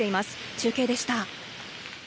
中継でした。